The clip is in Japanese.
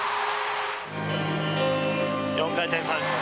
４回転サルコウ。